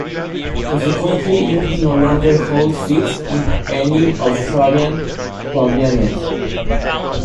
Consequently, Unity no longer holds seats in any Australian parliament.